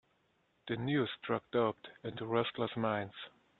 The news struck doubt into restless minds.